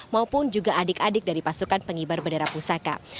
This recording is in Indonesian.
maupun juga adik adik dari pasukan pengibar bendera pusaka